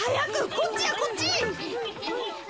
こっちやこっち。